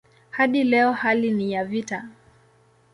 Hadi leo hali ni ya vita.